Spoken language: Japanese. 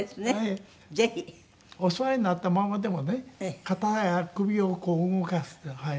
お座りになったままでもね肩や首をこう動かすと。